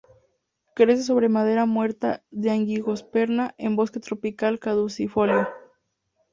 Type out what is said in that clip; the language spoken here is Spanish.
Crece sobre madera muerta de angiospermas en bosque tropical caducifolio.